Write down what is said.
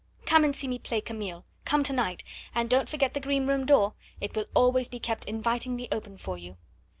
Come and see me play Camille come to night, and don't forget the green room door it will always be kept invitingly open for you."